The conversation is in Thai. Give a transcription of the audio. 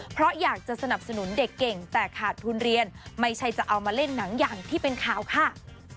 เพราะอยากจะสนับสนุนเด็กเก่งแต่ขาดทุนเรียนไม่ใช่จะเอามาเล่นหนังอย่างที่เป็นข่าวค่ะ